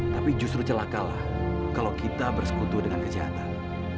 tapi justru celakalah kalau kita bersekutu dengan kejahatan